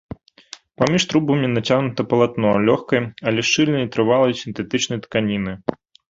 Паміж трубамі нацягнута палатно лёгкай, але шчыльнай і трывалай сінтэтычнай тканіны.